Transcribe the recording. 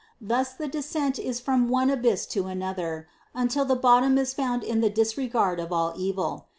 Thus the descent is from one abyss to another, until the bottom is found in the disregard of all evil.